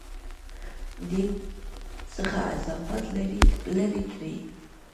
دین څخه اضافات لرې کړي.